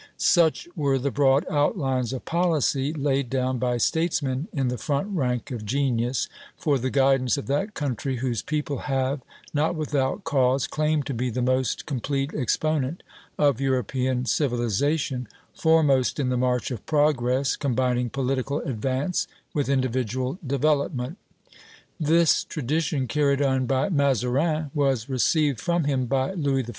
Such were the broad outlines of policy laid down by statesmen in the front rank of genius for the guidance of that country whose people have, not without cause, claimed to be the most complete exponent of European civilization, foremost in the march of progress, combining political advance with individual development. This tradition, carried on by Mazarin, was received from him by Louis XIV.